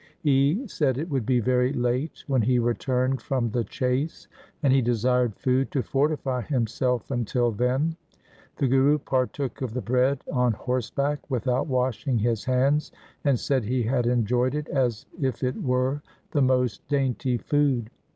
He said it would be very late when he returned from the chase, and he desired food to fortify himself until then. The Guru partook of the bread on horseback, with out washing his hands, and said he had enjoyed it as if it were the most dainty food.